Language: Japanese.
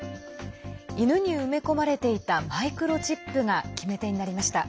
犬に埋め込まれていたマイクロチップが決め手になりました。